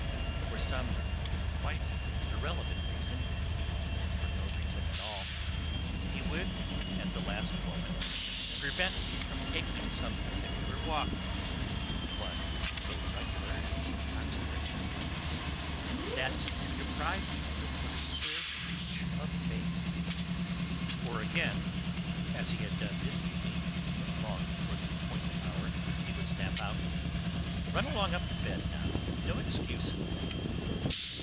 For some quite irrelevant reason, or for no reason at all, he would at the last moment prevent me from taking some particular walk, one so regular and so consecrated to my use that to deprive me of it was a clear breach of faith; or again, as he had done this evening, long before the appointed hour he would snap out: "Run along up to bed now; no excuses!"